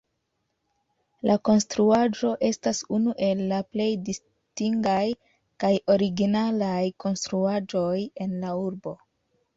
La konstruaĵo estas unu el la plej distingaj kaj originalaj konstruaĵoj en la urbo.